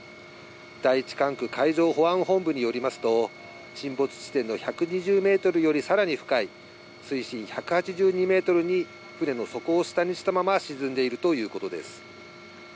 第１管区海上保安本部によりますと、沈没地点の１２０メートルよりさらに深い、水深１８２メートルに船の底を下にしたまま沈んでいるということです。